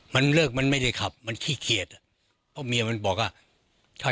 มันเลิกมันไม่ได้ขับมันขี้เกียจอ่ะเพราะเมียมันบอกว่าถ้า